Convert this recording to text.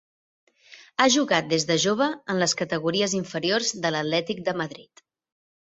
Ha jugat des de jove en les categories inferiors de l'Atlètic de Madrid.